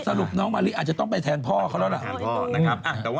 สรุปน้องมะลิอาจะต้องไปแทนพ่อเขาแล้ว